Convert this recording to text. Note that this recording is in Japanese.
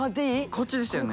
こっちでしたよね。